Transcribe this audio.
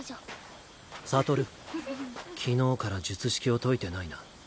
悟昨日から術式を解いてないな。